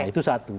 nah itu satu